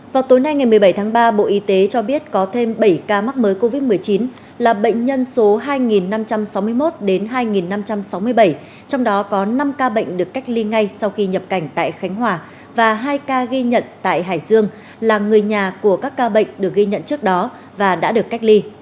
vào tối nay ngày một mươi bảy tháng ba bộ y tế cho biết có thêm bảy ca mắc mới covid một mươi chín là bệnh nhân số hai năm trăm sáu mươi một hai năm trăm sáu mươi bảy trong đó có năm ca bệnh được cách ly ngay sau khi nhập cảnh tại khánh hòa và hai ca ghi nhận tại hải dương là người nhà của các ca bệnh được ghi nhận trước đó và đã được cách ly